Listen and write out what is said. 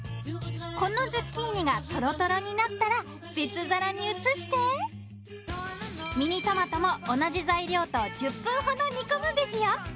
このズッキーニがとろとろになったら別皿に移してミニトマトも同じ材料と１０分ほど煮込むベジよ